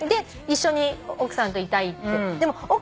一緒に奥さんといたいって。